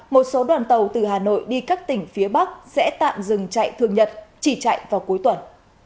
một số đoàn tàu từ hà nội đi các tỉnh phía bắc sẽ tạm dừng chạy thường nhật chỉ chạy vào cuối tuần